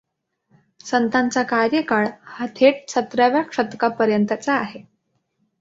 संतांचा कार्यकाळ हा थेट सतरावव्या शतकापर्यंतचा आहे.